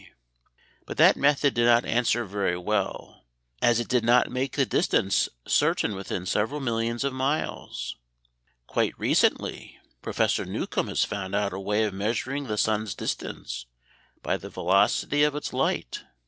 But that method did not answer very well, as it did not make the distance certain within several millions of miles. Quite recently Professor Newcomb has found out a way of measuring the sun's distance by the velocity of its light.